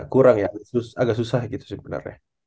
kurang ya agak susah gitu sebenarnya